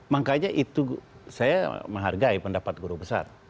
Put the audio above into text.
makanya itu saya menghargai pendapat guru besar